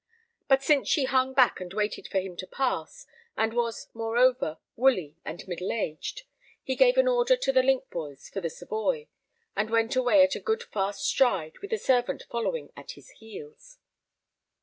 But since she hung back and waited for him to pass, and was, moreover, woolly and middle aged, he gave an order to the link boys for the Savoy, and went away at a good fast stride with the servant following at his heels.